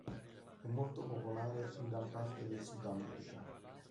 È molto popolare in gran parte del Sud America.